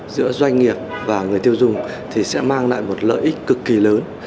giữa doanh nghiệp và người tiêu dùng thì sẽ mang lại một lợi ích cực kỳ lớn